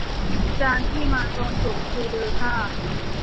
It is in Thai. จานที่มาตอนจบคือเลอค่า